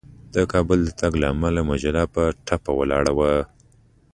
د کابل د تګ له امله مجله په ټپه ولاړه وه.